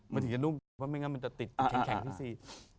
มันถึงจะนุ่มติดเพราะไม่งั้นมันจะติดแข็งที่สี่